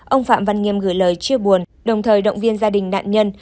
ông phạm văn nghiêm gửi lời chia buồn đồng thời động viên gia đình nạn nhân